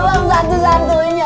ia hanya sendok sendoknya